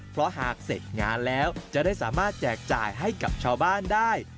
เพราะหากเสร็จงานแล้วจะได้สามารถแจกจ่ายให้กับชาวบ้านได้